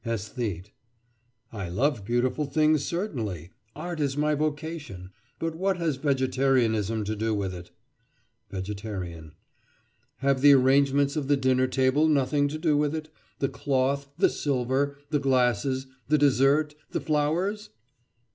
ÆSTHETE: I love beautiful things, certainly. Art is my vocation. But what has vegetarianism to do with it? VEGETARIAN: Have the arrangements of the dinner table nothing to do with it—the cloth, the silver, the glasses, the dessert, the flowers?